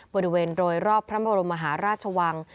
บริเวณโดยรอบพระบรมมหาราชวัง